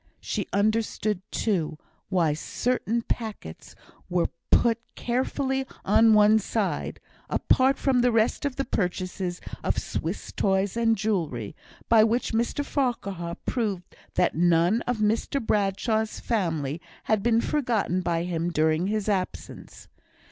She understood, too, why certain packets were put carefully on one side, apart from the rest of the purchases of Swiss toys and jewellery, by which Mr Farquhar proved that none of Mr Bradshaw's family had been forgotten by him during his absence.